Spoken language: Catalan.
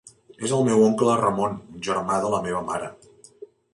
És el meu oncle Ramon, un germà de la meva mare.